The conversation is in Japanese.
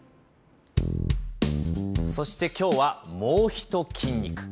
そしてきょうはもうひと筋肉。